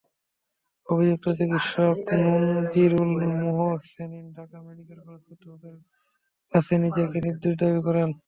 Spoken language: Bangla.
অভিযুক্ত চিকিৎসক নূনযীরুল মুহসেনীন ঢাকা মেডিকেল কলেজ কর্তৃপক্ষের কাছে নিজেকে নির্দোষ দাবি করেন।